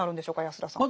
安田さん。